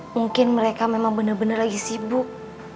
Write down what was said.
mungkin mereka memang bener bener lagi sibuk